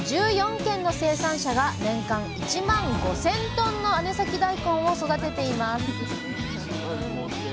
１４軒の生産者が年間１万５，０００ｔの姉崎だいこんを育てています